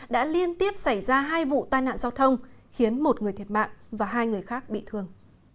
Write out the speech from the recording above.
đã liên tiếp xảy ra hai vụ tai nạn giao thông khiến một người thiệt mạng và hai người khác bị thương